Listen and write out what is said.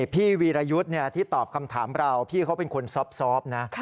พี่วีรยุทธ์ที่ตอบคำถามเราพี่เขาเป็นคนซอบนะ